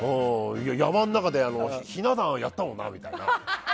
山の中でひな壇をやったもんなって。